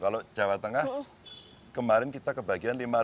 kalau jawa tengah kemarin kita kebagian lima ratus